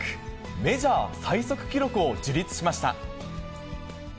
メジャー最速記録を樹立しました。